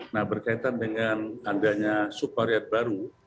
nah berkaitan dengan adanya subvarian baru